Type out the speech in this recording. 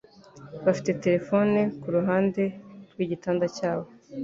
Bafite terefone kuruhande rwigitanda cyabo.